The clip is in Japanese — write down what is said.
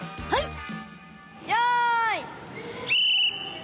はい。